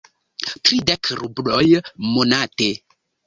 Tridek rubloj monate.